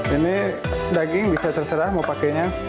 ini daging bisa terserah mau pakainya